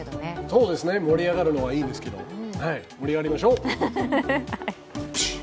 そうですね、盛り上がるのはいいですけど、盛り上がりましょう。